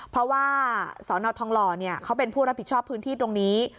เพราะว่าสนทองหล่อเขาเป็นผู้รับผิดชอบพื้นที่ตรงนี้